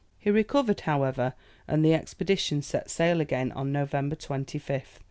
He recovered, however, and the expedition set sail again on November 25th.